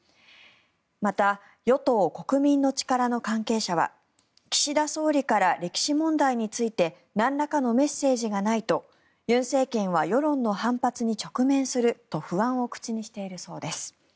また、与党・国民の力の関係者は岸田総理から歴史問題についてなんらかのメッセージがないと尹政権は世論の反発に直面すると不安を口にしているそうです。